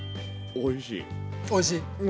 おいしい！